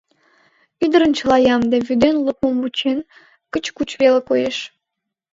Ӱдырын чыла ямде, вӱден лукмым вучен, кыч-куч веле коеш.